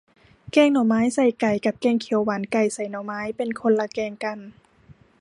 แกงหน่อไม้ใส่ไก่ กับแกงเขียวหวานไก่ใส่หน่อไม้ เป็นคนละแกงกัน